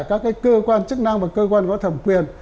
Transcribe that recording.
các cơ quan chức năng và cơ quan có thẩm quyền